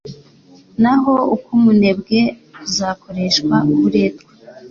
naho uk’umunebwe kuzakoreshwa uburetwa